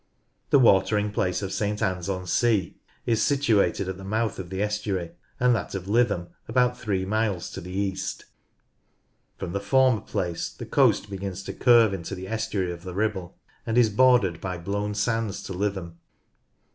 The watering place of St Anne's on Sea is situated at the mouth of the estuary, and that of Lytham about three miles to the east. From the former place the coast begins to curve into the estuary of the Ribble, and is bordered by blown sands to Lytham.